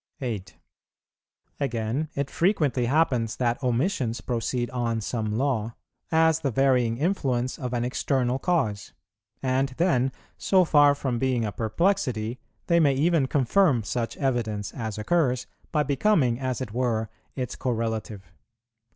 8. Again, it frequently happens that omissions proceed on some law, as the varying influence of an external cause; and then, so far from being a perplexity, they may even confirm such evidence as occurs, by becoming, as it were, its correlative.